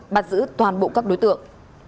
bắt giữ toàn bộ các đối tượng